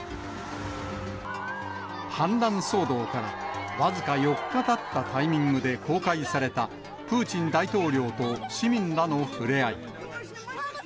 反乱騒動から僅か４日たったタイミングで公開された、プーチン大統領と市民らの触れ合い。